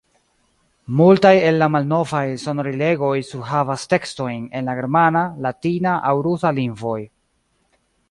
Multaj el la malnovaj sonorilegoj surhavas tekstojn en la germana, latina aŭ rusa lingvoj.